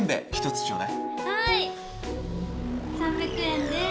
３００円です。